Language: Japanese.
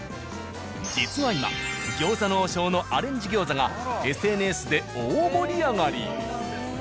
実は今「餃子の王将」のアレンジ餃子がＳＮＳで大盛り上がり！